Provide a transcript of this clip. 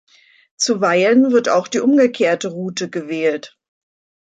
Zuweilen wird auch die umgekehrte Route gewählt.